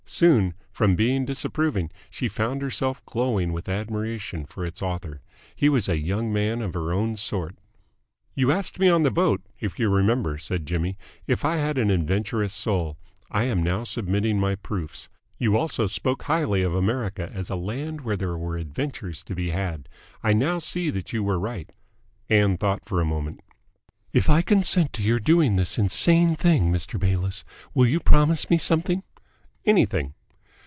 Soon, from being disapproving, she found herself glowing with admiration for its author. He was a young man of her own sort! "You asked me on the boat, if you remember," said Jimmy, "if I had an adventurous soul. I am now submitting my proofs. You also spoke highly of America as a land where there were adventures to be had. I now see that you were right." Ann thought for a moment. "If I consent to your doing this insane thing, Mr. Bayliss, will you promise me something?" "Anything."